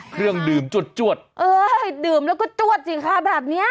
เครื่องดื่มจวดเออดื่มแล้วก็จวดจริงค่ะแบบนี้